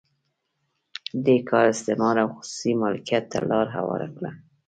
دې کار استثمار او خصوصي مالکیت ته لار هواره کړه.